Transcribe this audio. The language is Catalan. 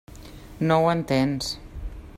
No ho entens.